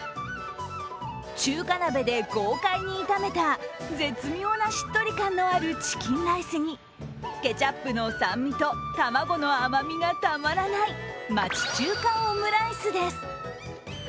中華鍋で豪快に炒めた絶妙なしっとり感のあるチキンライスにケチャップの酸味と卵の甘みがたまらない、町中華オムライスです。